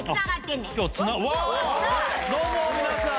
どうも皆さん。